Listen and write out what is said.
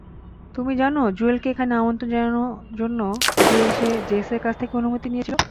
তুমি জানো জুয়েলকে এখানে আমন্ত্রণ জানানোর জন্য সে জেসের কাছ থেকে অনুমতি নিয়েছিল।